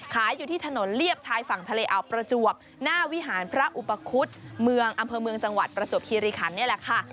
อยู่ที่ถนนเลียบชายฝั่งทะเลอาวประจวบหน้าวิหารพระอุปคุฎเมืองอำเภอเมืองจังหวัดประจวบคิริคันนี่แหละค่ะ